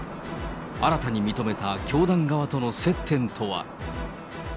新たに認めた教団側との接点とは。